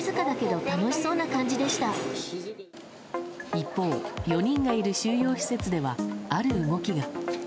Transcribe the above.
一方、４人がいる収容施設ではある動きが。